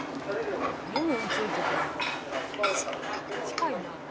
「近いな」